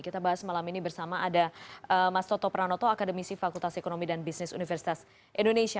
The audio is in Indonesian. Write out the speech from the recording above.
kita bahas malam ini bersama ada mas toto pranoto akademisi fakultas ekonomi dan bisnis universitas indonesia